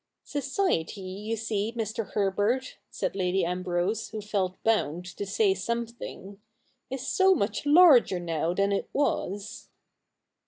'' Society, you see, Mr. Herbert,' said Lady Ambrose, who felt bound to say something, ' is so much larger now than it was.'